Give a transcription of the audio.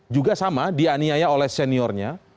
juga sama dianiaya oleh seniornya